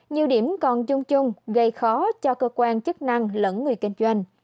nhiều điểm còn chung chung gây khó cho cơ quan chức năng lẫn người kinh doanh